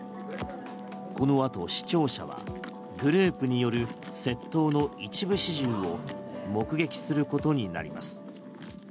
このあと、視聴者はグループによる窃盗の一部始終を目撃することになります。